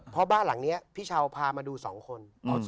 เพราะบ้านหลังนี้พี่เช้าพามาดู๒คน